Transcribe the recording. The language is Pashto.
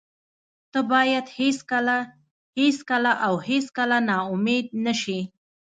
ته باید هېڅکله، هېڅکله او هېڅکله نا امید نشې.